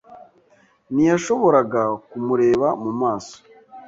Ntiyashoboraga kumureba mumaso.